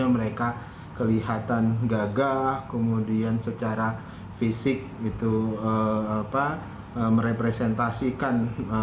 mereka kelihatan gagah kemudian secara fisik merepresentasikan